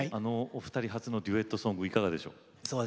お二人初のデュエットソングいかがでしょう？